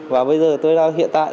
và bây giờ tôi đang hiện tại